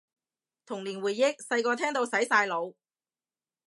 童年回憶，細個聽到洗晒腦